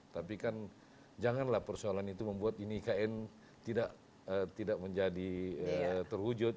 tapi kan janganlah persoalan itu membuat ini ikn tidak menjadi terwujud